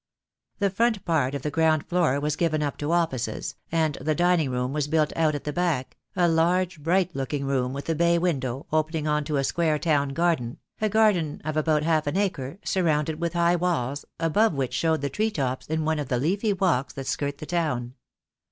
The front part of the ground floor was given up to offices, and the dining rooom was built out at the back, a large bright looking room with a bay window, opening on to a square town garden, a garden of about half an acre, surrounded with high walls, above which showed the treetops in one of the leafy walks that skirt the town.